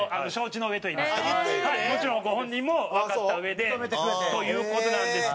もちろんご本人もわかったうえでという事なんですが。